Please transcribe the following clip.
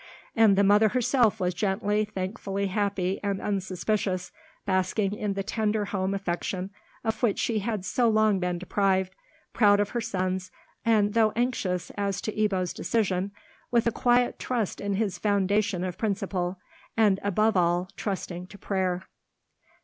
And the mother herself was gently, thankfully happy and unsuspicious, basking in the tender home affection of which she had so long been deprived, proud of her sons, and, though anxious as to Ebbo's decision, with a quiet trust in his foundation of principle, and above all trusting to prayer.